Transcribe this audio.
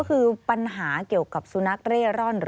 ก็คือปัญหาเกี่ยวกับสุนัขเร่ร่อน